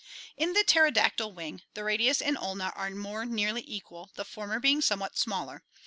In the pterodactyl wing (see Fig. i9,D) the radius and ulna are more nearly equal, the former being somewhat smaller.